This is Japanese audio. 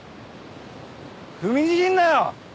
踏みにじるなよ！